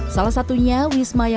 salah satunya wisma yang